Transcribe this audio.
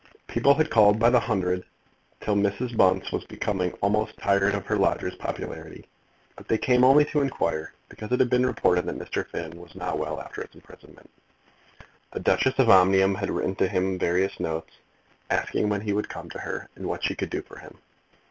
People had called by the hundred, till Mrs. Bunce was becoming almost tired of her lodger's popularity; but they came only to inquire, because it had been reported that Mr. Finn was not well after his imprisonment. The Duchess of Omnium had written to him various notes, asking when he would come to her, and what she could do for him.